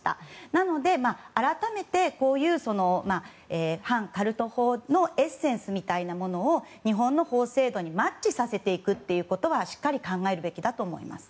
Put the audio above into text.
なので改めてこういう反カルト法のエッセンスみたいなものを日本の法制度にマッチさせていくということはしっかり考えるべきだと思います。